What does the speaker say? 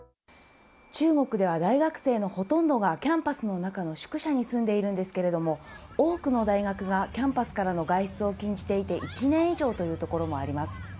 中国では大学生のほとんどがキャンパスの中の宿舎に住んでいるんですけれども、多くの大学がキャンパスからの外出を禁じていて、１年以上というところもあります。